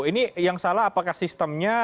ini yang salah apakah sistemnya